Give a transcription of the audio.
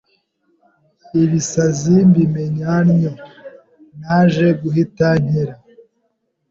ibisazi mbimenya ntyo, naje guhita nkira